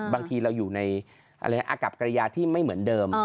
บางทีเราอยู่ในอากับกรยาที่ไม่เหมือนเดิม